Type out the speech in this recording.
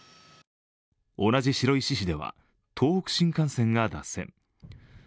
同じ白石市では東北新幹線が脱線。